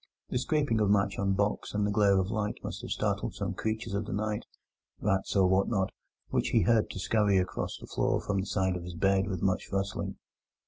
The scraping of match on box and the glare of light must have startled some creatures of the night—rats or what not—which he heard scurry across the floor from the side of his bed with much rustling.